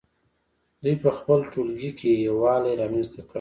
دوی په خپل ټولګي کې یووالی رامنځته کړ.